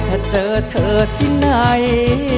ถ้าเจอเธอที่ไหน